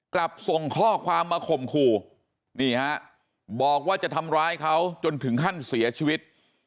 กลับส่งข้อความมาข่มขู่นี่ฮะบอกว่าจะทำร้ายเขาจนถึงขั้นเสียชีวิต